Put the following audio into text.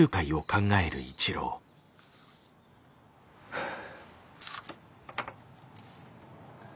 はあ。